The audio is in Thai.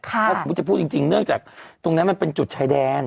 ถ้าสมมุติจะพูดจริงเนื่องจากตรงนั้นมันเป็นจุดชายแดน